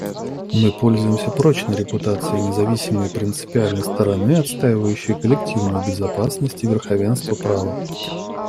Мы пользуемся прочной репутацией независимой и принципиальной стороны, отстаивающей коллективную безопасность и верховенство права.